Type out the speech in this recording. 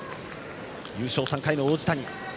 優勝３回の王子谷。